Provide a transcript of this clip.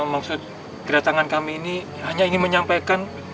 maksud kedatangan kami ini hanya ingin menyampaikan